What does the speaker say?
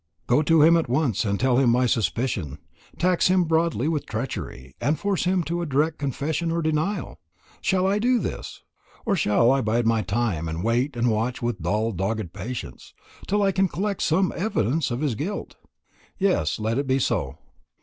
Go to him at once, and tell him my suspicion, tax him broadly with treachery, and force him to a direct confession or denial? Shall I do this? Or shall I bide my time, wait and watch with dull dogged patience, till I can collect some evidence of his guilt? Yes, let it be so.